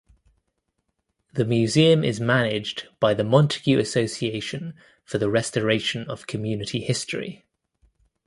The museum is managed by the Montague Association for the Restoration of Community History.